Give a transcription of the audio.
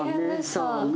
そうね。